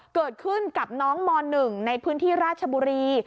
เกิดขึ้นกับน้องม๑ในพื้นที่ราชบุรี